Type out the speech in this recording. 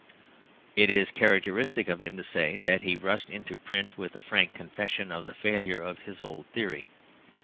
It is characteristic of him to say that he rushed into print with a frank confession of the failure of his old theory.